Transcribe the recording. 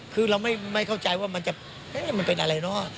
คือเราไม่เข้าใจว่ามันจะมันเป็นอะไรเนอะ